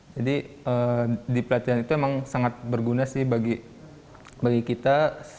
jadi di pelatihan itu memang sangat berguna sih bagi kita